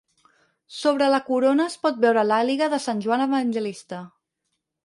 Sobre la corona es pot veure l'àliga de Sant Joan evangelista.